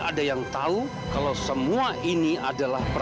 ayah tinggalin amir